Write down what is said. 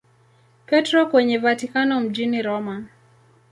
Petro kwenye Vatikano mjini Roma.